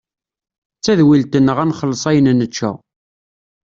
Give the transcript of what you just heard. D tadwilt-nneɣ ad nxelles ayen nečča.